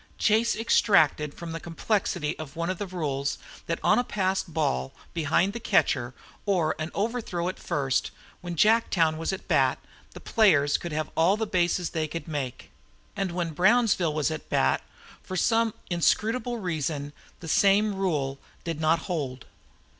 Chase extracted from the complexity of one of these rules that on a passed ball behind the catcher, or an overthrow at first, when Jacktown was at bat the player could have all the bases he could make; and when Brownsville was at bat, for some inscrutable reason, this same rule did not hold.